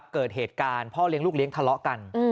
เกิดเหตุการณ์พ่อเลี้ยงลูกเลี้ยงทะเลาะกัน